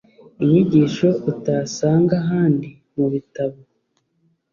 inyigisho utasanga ahandi mu bitabo